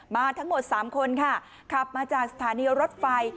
มาทั้งหมด๓คนค่ะขับมาจากสถานีรถไฟ